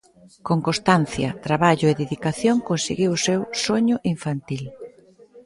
Con constancia, traballo e dedicación conseguiu o seu soño infantil.